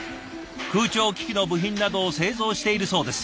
空調機器の部品などを製造しているそうです。